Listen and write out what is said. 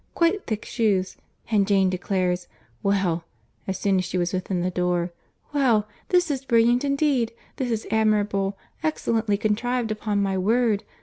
Quite thick shoes. And Jane declares—Well!—(as soon as she was within the door) Well! This is brilliant indeed!—This is admirable!—Excellently contrived, upon my word.